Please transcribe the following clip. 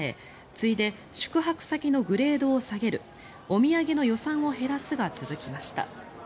次いで宿泊先のグレードを下げるお土産の予算を減らすが続きました。